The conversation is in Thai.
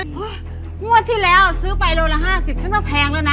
โอ๊ยงวดที่แล้วซื้อไปโลละห้าสิบฉันก็แพงแล้วน่ะ